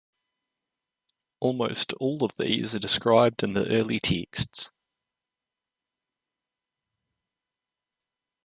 Almost all of these are described in the early texts.